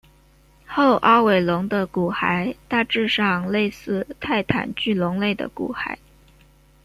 后凹尾龙的骨骸大致上类似泰坦巨龙类的骨骸。